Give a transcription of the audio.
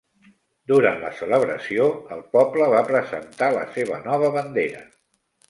Durant la celebració, el poble va presentar la seva nova bandera.